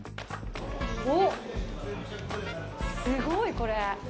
おっ、すごい、これ。